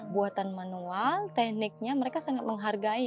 buatan manual tekniknya mereka sangat menghargai